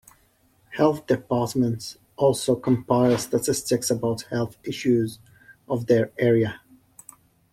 Health departments also compile statistics about health issues of their area.